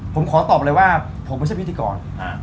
ผมขอตอบเลยว่าผมไม่ใช่พิธีกร